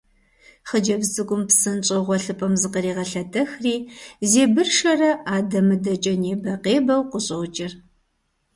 Хъыджэбз цӏыкӏум псынщӏэу гъуэлъыпӏэм зыкърегъэлъэтэхри, зебыршэрэ адэ-мыдэкӏэ небэ-къебэу къыщӏокӏыр.